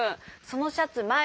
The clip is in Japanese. そのシャツま